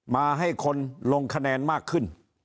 มาให้คนลงคะแนนมากขึ้น